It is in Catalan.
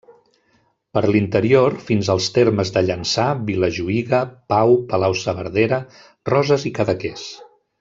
Per l'interior, fins als termes de Llançà, Vilajuïga, Pau, Palau-saverdera, Roses i Cadaqués.